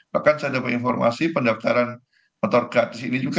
bahkan saya dapat informasi pendaftaran motor gratis ini juga